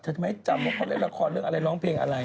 เธอทำไมไม่จำว่าคำเรียกละครเรื่องอะไรร้องเพลงอะไร